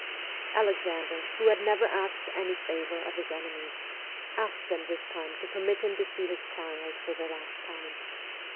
Alexander, who had never asked any favour of his enemies, asked them this time to permit him to see his child for the last time.